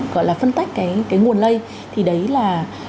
gọi là phân tách cái nguồn lây thì đấy là